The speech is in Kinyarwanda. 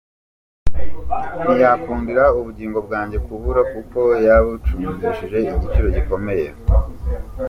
Ntiyakundira ubugingo bwanjye kubura, kuko yabucunguje igiciro gikomeye.